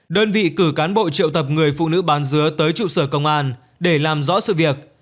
đơn vị cử cán bộ triệu tập người phụ nữ bán dứa tới trụ sở công an để làm rõ sự việc